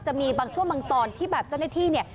จะมีบางช่วงบางตอนที่แบบเจ้าหน้าที่เนี่ย